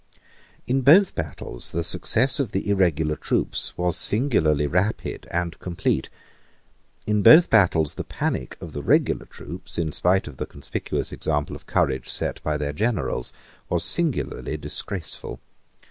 In both battles the success of the irregular troops was singularly rapid and complete. In both battles the panic of the regular troops, in spite of the conspicuous example of courage set by their generals, was singularly disgraceful.